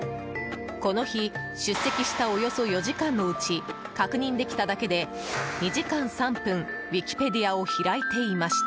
［この日出席したおよそ４時間のうち確認できただけで２時間３分Ｗｉｋｉｐｅｄｉａを開いていました］